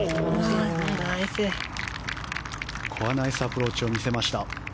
ナイスアプローチを見せました。